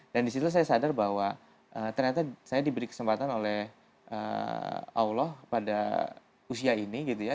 dan di situ saya sadar bahwa ternyata saya diberi kesempatan oleh allah pada usia ini gitu ya